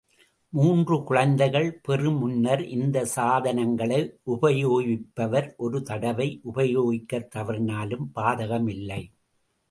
மூன்று குழந்தைகள் பெறு முன்னர் இந்தச் சாதனங்களை உபயோகிப்பவர் ஒரு தடவை உபயோகிக்கத் தவறினாலும் பாதகமில்லை.